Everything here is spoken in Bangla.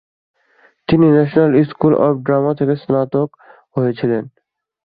তিনি ন্যাশনাল স্কুল অব ড্রামা থেকে স্নাতক হয়েছিলেন।